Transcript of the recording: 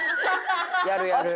やるやる。